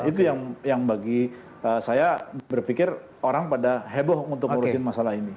itu yang bagi saya berpikir orang pada heboh untuk ngurusin masalah ini